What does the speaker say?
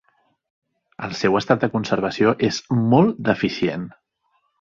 El seu estat de conservació és molt deficient.